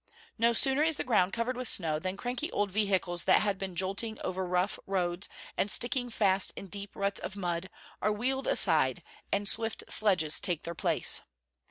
No sooner is the ground covered with snow, than cranky old vehicles that had been jolting over rough roads, and sticking fast in deep ruts of mud, are wheeled aside, and swift sledges take their place.